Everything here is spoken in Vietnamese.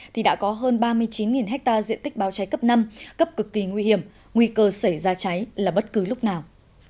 thì đã có hơn ba mươi chín ha diện tích báo cháy cấp năm cấp cực kỳ nguy hiểm nguy cơ xảy ra cháy là bất cứ lúc nào